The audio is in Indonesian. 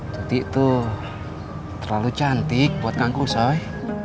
tuti itu terlalu cantik buat kang kusoy